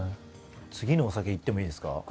次のお酒行ってもいいですか？